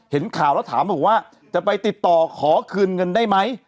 เห็นข่าวแล้วถามบอกว่าจะไปติดต่อขอคืนเงินได้ไหม